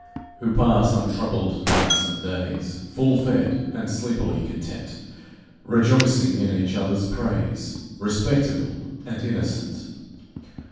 Who pass untroubled nights and days Full fed and sleepily content, Rejoicing in each other's praise, Respectable and innocent.